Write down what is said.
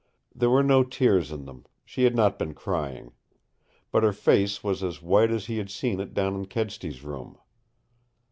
There were no tears in them. She had not been crying. But her face was as white as he had seen it down in Kedsty's room.